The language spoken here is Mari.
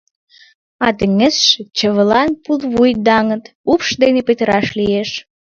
А теҥызше — чывылан пулвуй даҥыт, упш дене петыраш лиеш.